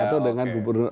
atau dengan gubernur